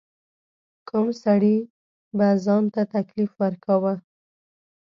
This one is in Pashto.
کم سړي به ځان ته تکلیف ورکاوه.